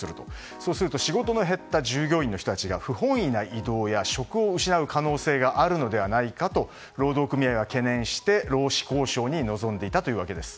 そうすると仕事の減った従業員の人たちが不本意な異動や、職を失う可能性があるのではないかと労働組合が懸念して労使交渉に臨んでいたわけです。